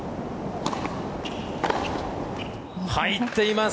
入っています。